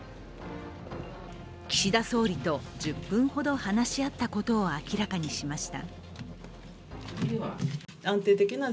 岸田総理と１０分ほど話し合ったことを明らかにしました。